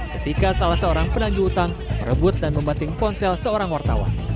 ketika salah seorang penanggu utang merebut dan membating ponsel seorang wartawan